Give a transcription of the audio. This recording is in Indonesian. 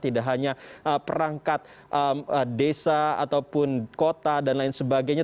tidak hanya perangkat desa ataupun kota dan lain sebagainya